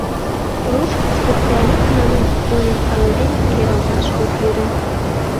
Руш специалист манын, ойыркалыде керылташ ок йӧрӧ.